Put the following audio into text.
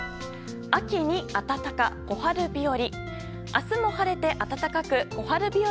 秋に暖か、小春日和。